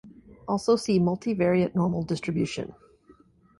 Also see multivariate normal distribution.